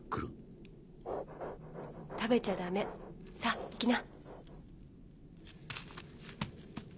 食べちゃダメさっ行きな。